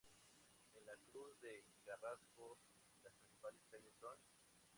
En La Cruz de Carrasco, las principales calles son